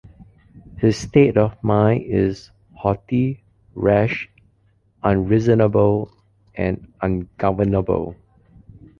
His state of mind is haughty, rash, unreasonable, and ungovernable.